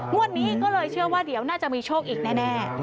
วันนี้ก็เลยเชื่อว่าเดี๋ยวน่าจะมีโชคอีกแน่